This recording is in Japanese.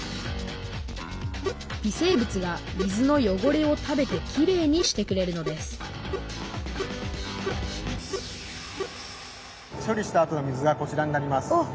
微生物が水の汚れを食べてきれいにしてくれるのです処理したあとの水がこちらになります。